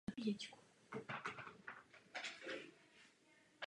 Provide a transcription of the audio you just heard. Jako teenager začal natáčet domácí videa.